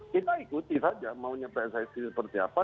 kita ikuti saja maunya pssi seperti apa